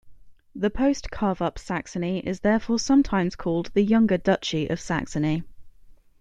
The post carve-up Saxony is therefore sometimes called the "younger Duchy of Saxony".